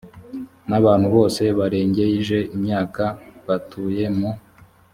n abantu bose barengeje imyaka batuye mu